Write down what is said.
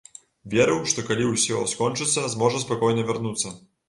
Верыў, што калі ўсё скончыцца, зможа спакойна вярнуцца.